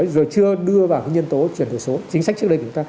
rồi chưa đưa vào nhân tố chuyển đổi số chính sách trước đây của chúng ta